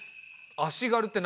足軽って何？